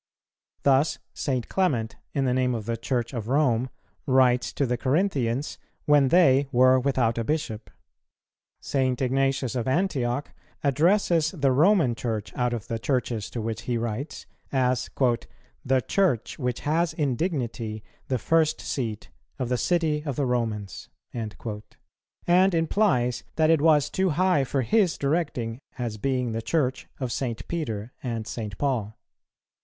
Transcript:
Thus St. Clement, in the name of the Church of Rome, writes to the Corinthians, when they were without a bishop; St. Ignatius of Antioch addresses the Roman Church, out of the Churches to which he writes, as "the Church, which has in dignity the first seat, of the city of the Romans,"[157:1] and implies that it was too high for his directing as being the Church of St. Peter and St. Paul.